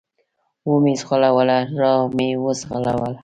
و مې زغلوله، را ومې زغلوله.